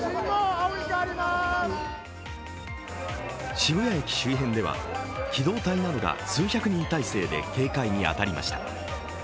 渋谷駅周辺では、機動隊などが数百人態勢で警戒に当たりました。